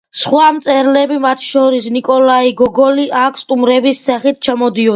სხვა მწერლები, მათ შორის ნიკოლაი გოგოლი, აქ სტუმრების სახით ჩამოდიოდნენ.